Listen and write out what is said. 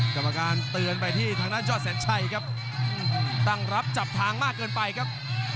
กรรมการเตือนไปที่ทางด้านยอดแสนชัยครับตั้งรับจับทางมากเกินไปครับ